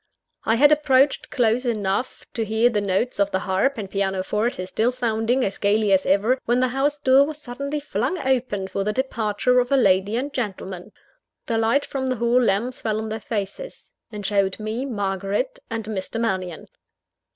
I had approached close enough to hear the notes of the harp and pianoforte still sounding as gaily as ever, when the house door was suddenly flung open for the departure of a lady and gentleman. The light from the hall lamps fell on their faces; and showed me Margaret and Mr. Mannion.